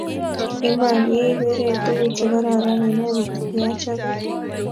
Iman, yougireii tuguk chegororon inay kole kigaichope